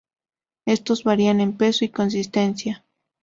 Estos varían en peso y consistencia.